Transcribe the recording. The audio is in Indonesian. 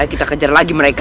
kita kejar lagi mereka